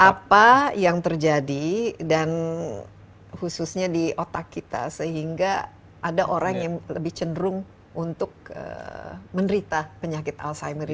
apa yang terjadi dan khususnya di otak kita sehingga ada orang yang lebih cenderung untuk menderita penyakit alzheimer ini